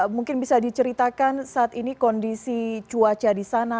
mungkin bisa diceritakan saat ini kondisi cuaca di sana